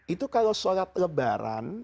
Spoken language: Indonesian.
itu kalau sholat lebaran